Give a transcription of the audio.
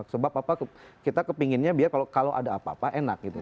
sebab apa kita kepinginnya biar kalau ada apa apa enak gitu